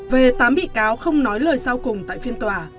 về tám bị cáo không nói lời sau cùng tại phiên tòa